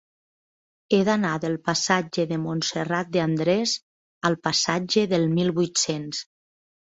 He d'anar del passatge de Montserrat de Andrés al passatge del Mil vuit-cents.